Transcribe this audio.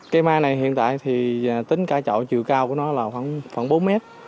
cây mai này hiện tại thì tính cả chậu chiều cao của nó là khoảng bốn mét